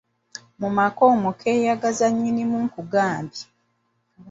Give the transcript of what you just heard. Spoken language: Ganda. Mu maka omwo keeyagaza nnyinimu nkugambye!